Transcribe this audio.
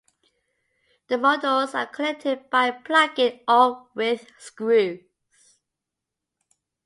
The modules are connected by plugging or with screws.